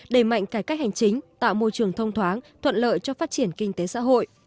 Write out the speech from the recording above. đẩy mạnh cải cách hành chính tạo môi trường thông thoáng thuận lợi cho phát triển kinh tế xã hội